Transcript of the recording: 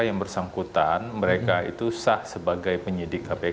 yang bersangkutan mereka itu sah sebagai penyidik kpk